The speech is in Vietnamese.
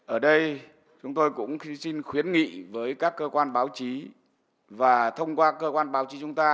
ở đây chúng tôi cũng xin khuyến nghị với các cơ quan báo chí và thông qua cơ quan báo chí chúng ta